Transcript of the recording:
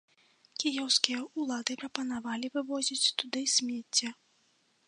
Кіеўскія ўлады прапанавалі вывозіць туды смецце.